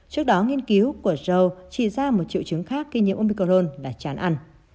trước đó nghiên cứu của joe chỉ ra một triệu chứng khác khi nhiễm omicrone là chán ăn